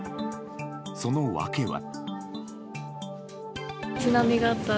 その訳は。